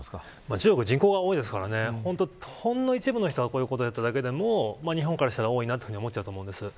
中国は人口が多いですからほんの一部の人がこうやっただけでも日本からしたら多いなと思っちゃいます。